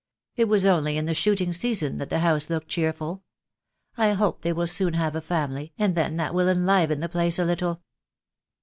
It was only in the shooting season that the house looked cheerful. I hope they will soon have a family, and then that mil enliven the place a little."